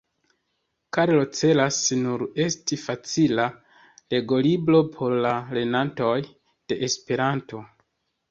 Karlo celas nur esti facila legolibro por la lernantoj de Esperanto.